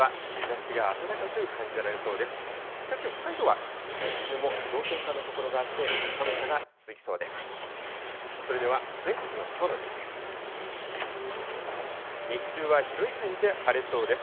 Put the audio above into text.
しかし、北海道は日中も氷点下の所があって、寒さが続きそうです。